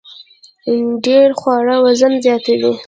ډیر خواړه وزن زیاتوي